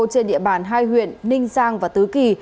trên địa bàn hai huyện ninh giang và tứ kỳ